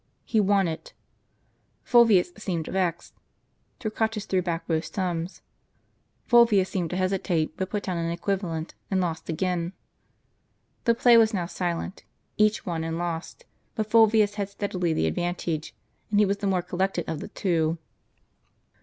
He won it. Fulvius seemed vexed. Torquatus threw back both sums. Fulvius seemed to hesitate, but put down an equivalent, and lost again. The play was now silent : each won and lost; but Fulvius had steadily the advantage, and he was the more collected of the two.